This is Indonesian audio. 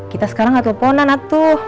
kita sekarang gak teleponan atuh